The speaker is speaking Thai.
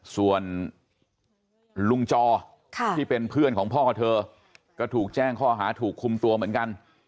ส่วนลุงจอที่เป็นเพื่อนของพ่อเธอก็ถูกแจ้งข้อหาถูกคุมตัวเหมือนกัน